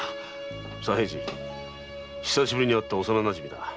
左平次久しぶりに会った幼なじみだ。